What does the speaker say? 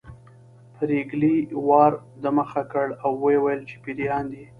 پريګلې وار د مخه کړ او وویل چې پيريان دي